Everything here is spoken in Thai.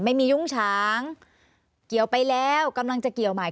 ยุ้งฉางเกี่ยวไปแล้วกำลังจะเกี่ยวใหม่